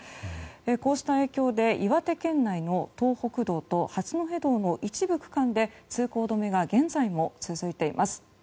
こうした影響で岩手県内の東北道と八戸道の一部区間で通行止めが現在も続いています。